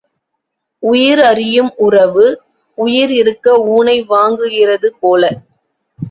உயிர் அறியும் உறவு, உயிர் இருக்க ஊனை வாங்குகிறது போல.